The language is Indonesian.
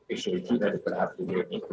ekstensi dari perhatian itu